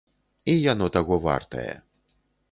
І яно таго вартае.